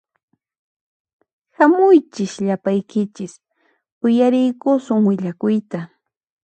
Hamuychis llapaykichis uyariykusun willakuyta